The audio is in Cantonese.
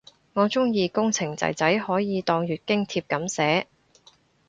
我鍾意工程仔仔可以當月經帖噉寫